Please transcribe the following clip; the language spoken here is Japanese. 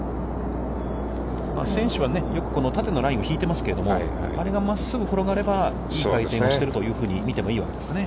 選手はよくこの縦をラインを引いてますけれども、あれが真っすぐ転がれば、いい回転をしているというふうに見てもいいわけですかね。